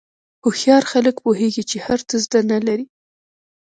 هوښیار خلک پوهېږي چې هر څه زده نه لري.